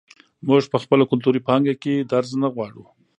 موږ په خپله کلتوري پانګه کې درز نه غواړو.